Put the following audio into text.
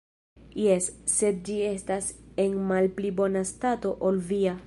Jes, sed ĝi estas en malpli bona stato ol via.